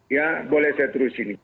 ya boleh saya terusin